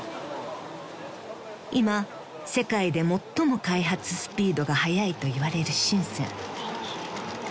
［今世界で最も開発スピードが速いといわれる深］